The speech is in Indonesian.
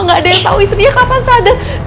gak ada yang tahu istrinya kapan sadar